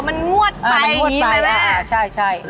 อ๋อมันงวดไปอย่างนี้ไหมแม่อ๋อมันงวดไปใช่